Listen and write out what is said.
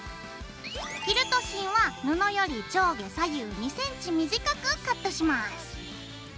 キルト芯は布より上下左右２ｃｍ短くカットします。